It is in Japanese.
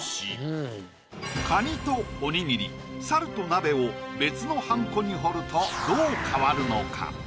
カニとおにぎりサルと鍋を別のはんこに彫るとどう変わるのか？